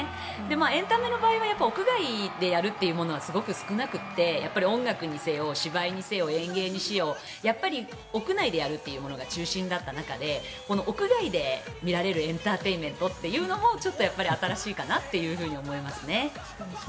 エンタメの場合は屋外でやるものはすごく少なくて音楽にせよ芝居にせよ演芸にせよ屋内でやるっていうものが中心だった中で屋外で見られるエンターテインメントもちょっと新しいかなと思いますね。